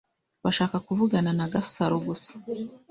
Bashaka kuvugana na Gasaro gusa.